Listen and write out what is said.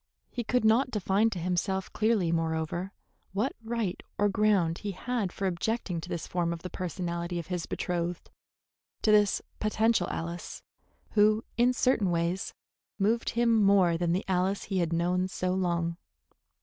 He could not define to himself clearly, moreover, what right or ground he had for objecting to this form of the personality of his betrothed, to this potential Alice, who in certain ways moved him more than the Alice he had known so long.